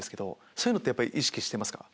そういうのって意識してますか？